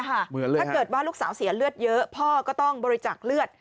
ถ้าเกิดว่าลูกสาวเสียเลือดเยอะพ่อก็ต้องบริจาคเลือด